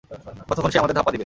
কতক্ষণ সে আমাদের ধাপ্পা দিবে?